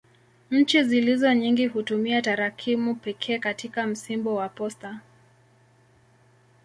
Nchi zilizo nyingi hutumia tarakimu pekee katika msimbo wa posta.